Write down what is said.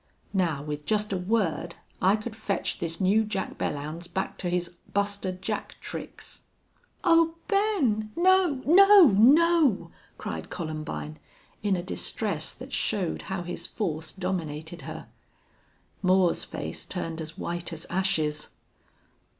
Now with just a word I could fetch this new Jack Belllounds back to his Buster Jack tricks!" "Oh, Ben! No! No! No!" cried Columbine, in a distress that showed how his force dominated her. Moore's face turned as white as ashes.